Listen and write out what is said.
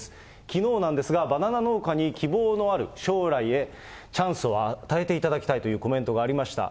きのうなんですが、バナナ農家に希望のある将来へチャンスを与えていただきたいというコメントがありました。